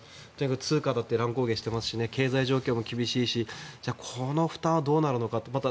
通貨だって乱高下してますし経済状況も厳しいしこの負担はどうなるのかと。